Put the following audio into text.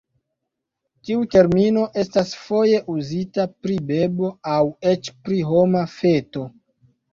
Tiu termino estas foje uzita pri bebo aŭ eĉ pri homa feto.